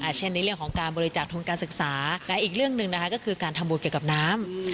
เช่นในเรื่องของการบริจาคทุนการศึกษาและอีกเรื่องหนึ่งนะคะก็คือการทำบุญเกี่ยวกับน้ำ